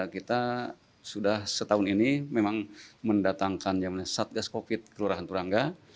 kita sudah setahun ini memang mendatangkan jamannya satgas covid sembilan belas ke lurahan turangga